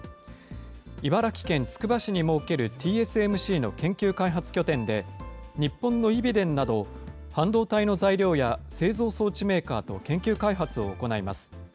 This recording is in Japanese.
茨城県つくば市に設けるＴＳＭＣの研究開発拠点で、日本のイビデンなど、半導体の材料や製造装置メーカーと研究開発を行います。